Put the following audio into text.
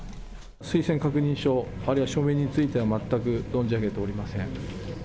推薦確認書、あるいは署名については、全く存じ上げておりません。